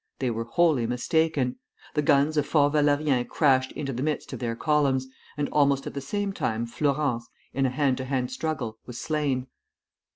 They were wholly mistaken; the guns of Fort Valérien crashed into the midst of their columns, and almost at the same time Flourens, in a hand to hand struggle, was slain.